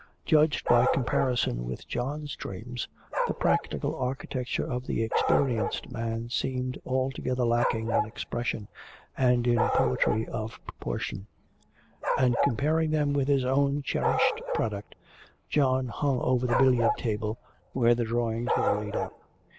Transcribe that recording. Judged by comparison with John's dreams, the practical architecture of the experienced man seemed altogether lacking in expression and in poetry of proportion; and comparing them with his own cherished project, John hung over the billiard table, where the drawings were laid out.